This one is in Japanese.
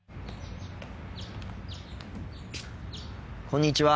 こんにちは。